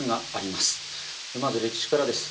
まず歴史からです。